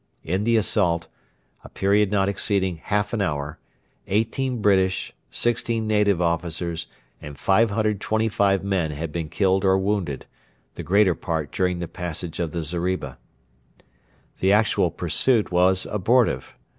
In the assault a period not exceeding half an hour eighteen British, sixteen native officers and 525 men had been killed or wounded, the greater part during the passage of the zeriba. The actual pursuit was abortive.